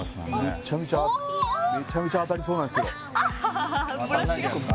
めっちゃめちゃめっちゃめちゃ当たりそうなんですけど